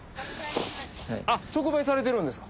直売されてるんですか？